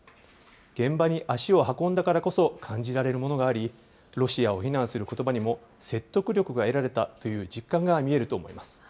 現場に足を運んだからこそ感じられるものがあり、ロシアを非難することばにも説得力が得られたという実感が見えると思います。